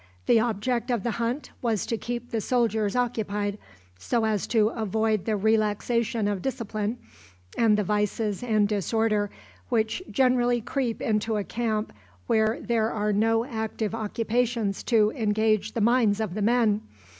The object of the hunt was to keep the soldiers occupied, so as to avoid the relaxation of discipline, and the vices and disorder which generally creep into a camp where there are no active occupations to engage the minds of the men.